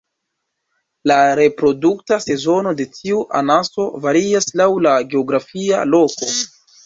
La reprodukta sezono de tiu anaso varias laŭ la geografia loko.